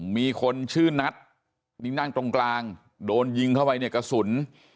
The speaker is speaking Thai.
มีคนชื่อนัทนี่นั่งตรงกลางโดนยิงเข้าไปเนี่ยกระสุน